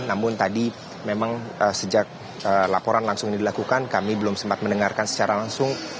namun tadi memang sejak laporan langsung ini dilakukan kami belum sempat mendengarkan secara langsung